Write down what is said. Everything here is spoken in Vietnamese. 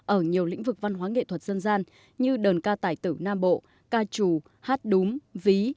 ở nhiều lĩnh vực văn hóa nghệ thuật dân gian như đờn ca tài tử nam bộ ca trù hát đúng ví